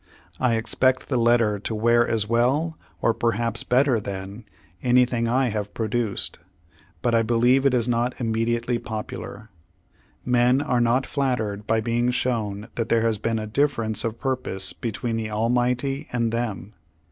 I expect the latter to wear as well 01% perhaps better than, anything I have produced; but I believe it is not immediately popular. Men are not flattered by being shov/n that there has been a difference of purpose between the Almighty and them.